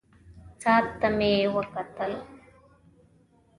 ساعت ته مې وکتلې.